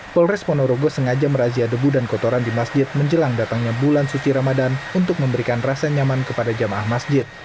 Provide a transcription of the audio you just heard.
polres ponorogo sengaja merazia debu dan kotoran di masjid menjelang datangnya bulan suci ramadan untuk memberikan rasa nyaman kepada jamaah masjid